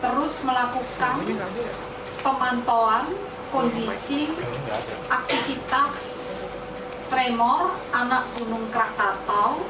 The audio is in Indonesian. terus melakukan pemantauan kondisi aktivitas tremor anak gunung krakatau